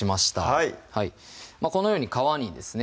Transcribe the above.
はいこのように皮にですね